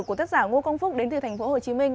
của tác giả ngo quang phúc đến từ thành phố hồ chí minh